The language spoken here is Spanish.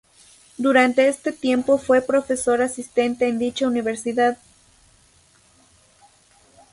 Durante este tiempo fue profesor asistente en dicha universidad.